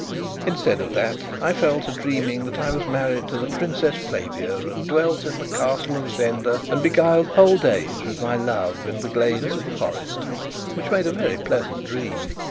Instead of that, I fell to dreaming that I was married to the Princess Flavia and dwelt in the Castle of Zenda, and beguiled whole days with my love in the glades of the forest which made a very pleasant dream.